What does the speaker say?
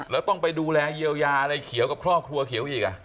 แล้วต้องไปดูแลเยียวยาอะไรเขียวกับครอบครัวเขียวอีก